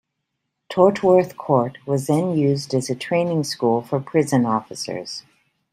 Tortworth Court was then used as a training school for prison officers.